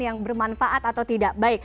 yang bermanfaat atau tidak